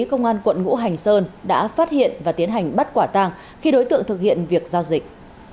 công an quận ngũ hành sơn đã phát hiện và tiến hành bắt quả tàng khi đối tượng thực hiện việc giao dịch